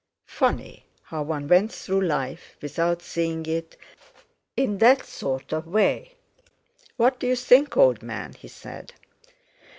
Funny—how one went through life without seeing it in that sort of way! "What do you think, old man?" he said.